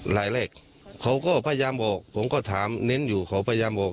รายแรกเขาก็พยายามบอกผมก็ถามเน้นอยู่เขาพยายามบอก